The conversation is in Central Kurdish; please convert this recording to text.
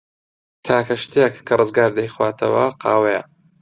تاکە شتێک کە ڕزگار دەیخواتەوە، قاوەیە.